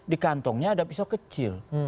di kantongnya ada pisau kecil